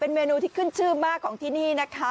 เมนูที่ขึ้นชื่อมากของที่นี่นะคะ